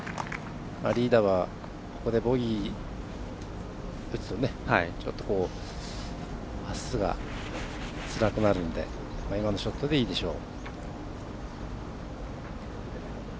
リーダーはここでボギー打つとちょっとあすがつらくなるので今のショットでいいでしょう。